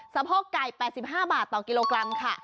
สะโพกไก่๘๕บาทต่อกิโลกรัมค่ะ